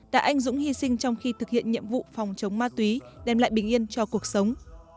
đã anh dũng hy sinh trong khi thực hiện nhiệm vụ phòng chống ma túy đem lại bình yên cho cuộc sống